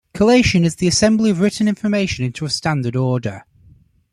Collation is the assembly of written information into a standard order.